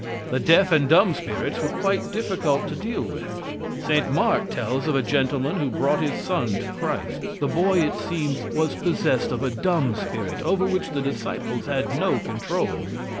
The deaf and dumb spirits were quite difficult to deal with. St. Mark tells of a gentleman who brought his son to Christ. The boy, it seems, was possessed of a dumb spirit, over which the disciples had no control.